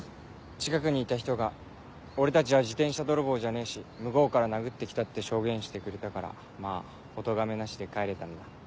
近くにいた人が俺たちは自転車泥棒じゃねえし向こうから殴って来たって証言してくれたからまぁおとがめなしで帰れたんだ。